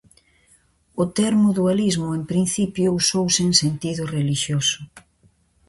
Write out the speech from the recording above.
O termo dualismo en principio usouse en sentido relixioso.